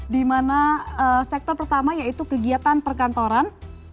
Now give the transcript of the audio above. di mana sektor pertama yaitu kegiatan perkantoran